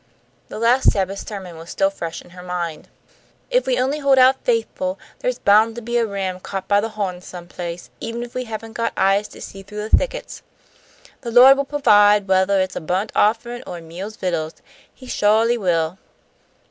The last Sabbath's sermon was still fresh in her mind. "If we only hold out faithful, there's boun' to be a ram caught by the hawns some place, even if we haven't got eyes to see through the thickets. The Lawd will pahvide whethah it's a burnt offerin' or a meal's vittles. He sho'ly will."